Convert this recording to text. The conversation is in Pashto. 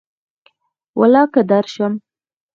ولاکه درشم